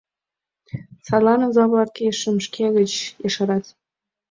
Садлан оза-влак ешым шке гыч ешарат.